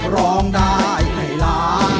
ร้องได้ให้ล้าน